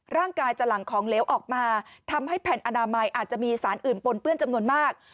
ร่างกายจะหลั่งของเหลวออกมาทำให้แผ่นอนามัยอาจจะมีสารอื่นปนเปื้อนจำนวนมาก